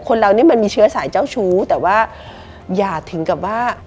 เรานี่มันมีเชื้อสายเจ้าชู้แต่ว่าอย่าถึงกับว่า